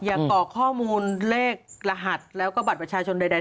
อย่าก่อข้อมูลเลขรหัสแล้วก็บัตรประชาชนใดทั้งสิ้น